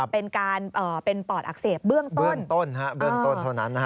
เป็นปอดอักเสบเบื้องต้น